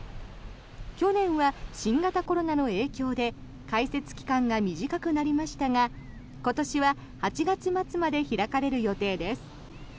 去年は新型コロナの影響で開設期間が短くなりましたが今年は８月末まで開かれる予定です。